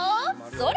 それ！